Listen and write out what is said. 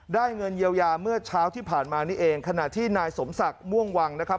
เงินเยียวยาเมื่อเช้าที่ผ่านมานี่เองขณะที่นายสมศักดิ์ม่วงวังนะครับ